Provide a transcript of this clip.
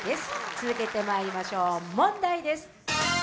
続けてまいりましょう、問題です。